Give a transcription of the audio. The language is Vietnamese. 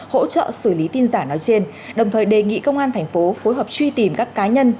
hỗ trợ xử lý tin giả nói trên đồng thời đề nghị công an thành phố phối hợp truy tìm các cá nhân